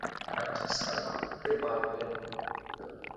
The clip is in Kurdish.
stran tê barkirin.